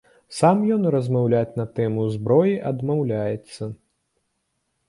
Сам ён размаўляць на тэму зброі адмаўляецца.